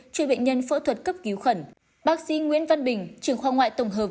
cho bệnh nhân phẫu thuật cấp cứu khẩn bác sĩ nguyễn văn bình trưởng khoa ngoại tổng hợp